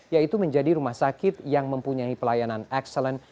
yaitu menjadi rumah sakit yang mempunyai pelayanan excellent